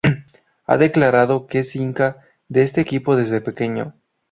Ha declarado que es hincha de este equipo desde pequeño.